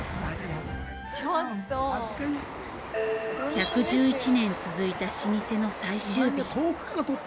１１１年続いた老舗の最終日。